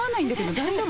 大丈夫。